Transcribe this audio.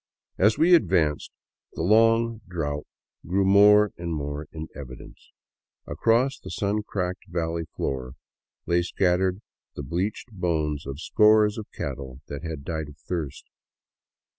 As we advanced, the long drought grew more and more in evidence. Across the sun cracked valley floor lay scattered the bleached bones of scores of cattle that had died of thirst.